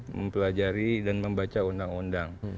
mempelajari dan membaca undang undang